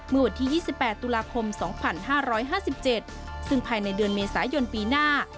เมื่อวันที่๒๘ตุลาคม๒๕๕๗ซึ่งภายในเดือนเมษายนปีหน้า